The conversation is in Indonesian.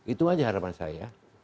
itu saja harapan saya